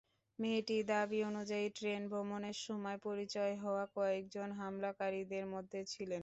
মেয়েটির দাবি অনুযায়ী, ট্রেন ভ্রমণের সময় পরিচয় হওয়া কয়েকজন হামলাকারীদের মধ্যে ছিলেন।